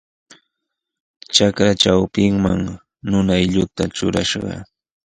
Trakra trawpinman nunaylluta trurashqa.